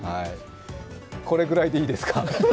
これぐらいでいいですか？